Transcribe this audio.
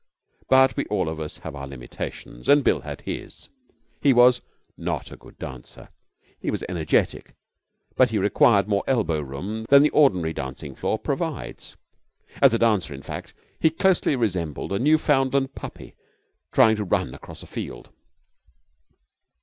But we all of us have our limitations, and Bill had his. He was not a good dancer. He was energetic, but he required more elbow room than the ordinary dancing floor provides. As a dancer, in fact, he closely resembled a Newfoundland puppy trying to run across a field.